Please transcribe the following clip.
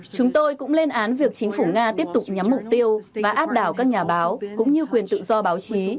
chúng tôi cũng lên án việc chính phủ nga tiếp tục nhắm mục tiêu và áp đảo các nhà báo cũng như quyền tự do báo chí